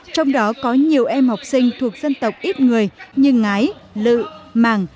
trong đó có nhiều em học sinh thuộc dân tộc ít người như ngái lự màng